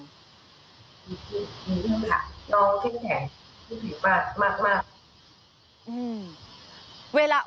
มีเรื่องค่ะน้องแข็งรู้สึกมาก